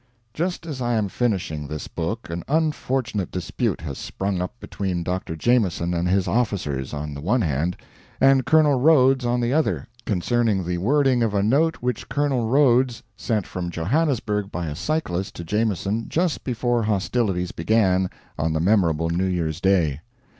[Just as I am finishing this book an unfortunate dispute has sprung up between Dr. Jameson and his officers, on the one hand, and Colonel Rhodes on the other, concerning the wording of a note which Colonel Rhodes sent from Johannesburg by a cyclist to Jameson just before hostilities began on the memorable New Year's Day.